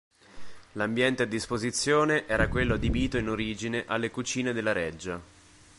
L'ambiente a disposizione era quello adibito in origine alle cucine della reggia.